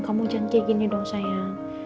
kamu janji gini dong sayang